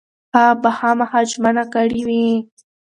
هغه به خامخا ژمنه کړې وي.